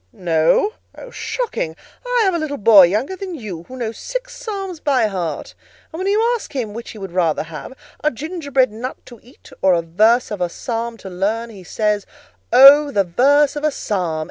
"No? oh, shocking! I have a little boy, younger than you, who knows six Psalms by heart: and when you ask him which he would rather have, a gingerbread nut to eat or a verse of a Psalm to learn, he says: 'Oh! the verse of a Psalm!